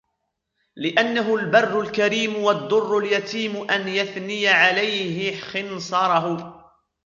لِأَنَّهُ الْبَرُّ الْكَرِيمُ وَالدُّرُّ الْيَتِيمُ أَنْ يَثْنِيَ عَلَيْهِ خِنْصَرَهُ